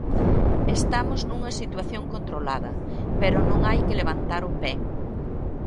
Estamos nunha situación controlada, pero non hai que levantar o pé.